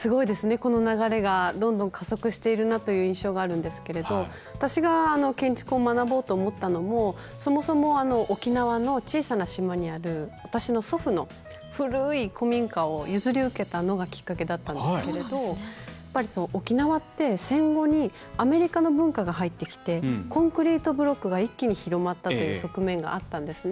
この流れがどんどん加速しているなという印象があるんですけれども私が建築を学ぼうと思ったのもそもそも沖縄の小さな島にある私の祖父の古い古民家を譲り受けたのがきっかけだったんですけれども沖縄って戦後にアメリカの文化が入ってきてコンクリートブロックが一気に広まったという側面があったんですね。